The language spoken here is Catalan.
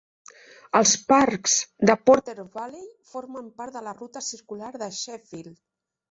Els parcs de Porter Valley formen part de la ruta circular de Sheffield.